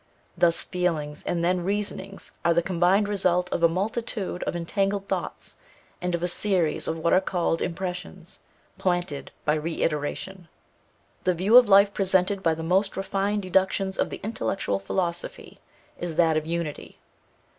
Thus feelings and then reasonings are the combined result of a multitude of entangled thoughts, and of a series of what are called impressions, planted by reiteration. The view of life presented by the most refined deductions of the intellectual philosophy, is that of unity.